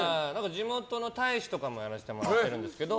地元の大使とかもやらせてもらってるんですけど